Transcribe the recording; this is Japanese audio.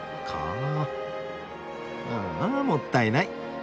ああもったいない！